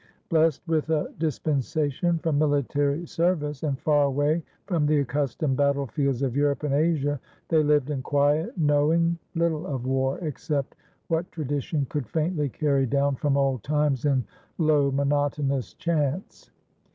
Blessed with a dispensation from military service, and far away from the accustomed battle fields of Europe and Asia, they lived in quiet, knowing little of war except what tradition could faintly carry down from old times in low monotonous chants.